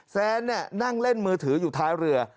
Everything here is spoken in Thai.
แซนนั่งเล่นมือถืออยู่ท้ายเรือ